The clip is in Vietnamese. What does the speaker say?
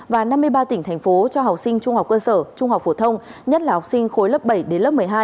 và năm mươi ba tỉnh thành phố cho học sinh trung học cơ sở trung học phổ thông nhất là học sinh khối lớp bảy đến lớp một mươi hai